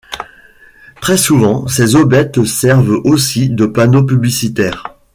Très souvent, ces aubettes servent aussi de panneaux publicitaires.